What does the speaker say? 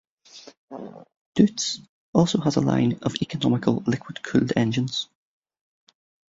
Deutz also has line of economical liquid-cooled engines.